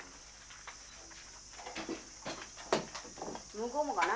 向こうもかな？